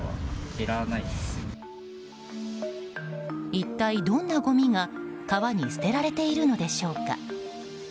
一体、どんなごみが川に捨てられているのでしょうか。